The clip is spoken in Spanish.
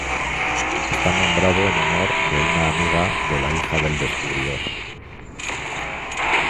Está nombrado en honor de una amiga de la hija del descubridor.